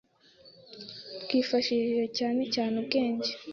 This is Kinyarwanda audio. twifashishije cyane cyane ubwenge.